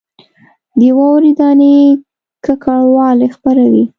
د واورې دانې ککړوالی خپروي